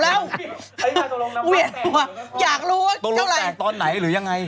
แล้วอะไรรู้กันตอนลงนัมวะแตกตอนไหนหรือยังไง